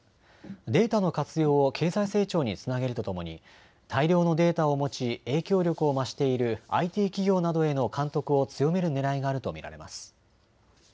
データの活用を経済成長につなげるとともに大量のデータを持ち影響力を増しているＩＴ企業などへの監督を強めるねらいがあると見られます。